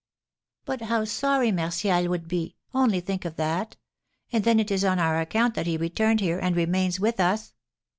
"But how sorry Martial would be; only think of that! And then it is on our account that he returned here, and remains with us!